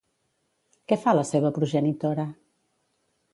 Què fa la seva progenitora?